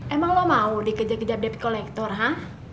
emang lo mau dikejap kejap debit kolektor ha